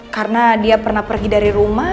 karena dia pernah pergi dari rumah